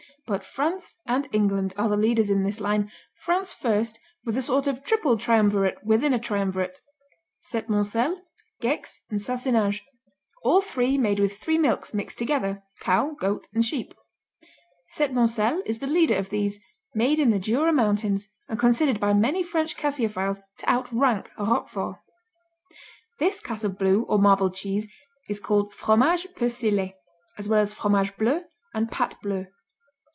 But France and England are the leaders in this line, France first with a sort of triple triumvirate within a triumvirate Septmoncel, Gex, and Sassenage, all three made with three milks mixed together: cow, goat and sheep. Septmoncel is the leader of these, made in the Jura mountains and considered by many French caseophiles to outrank Roquefort. This class of Blue or marbled cheese is called fromage persillé, as well as fromage bleu and pate bleue.